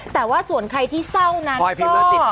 แต่ว่าส่วนใครที่เศร้านั้น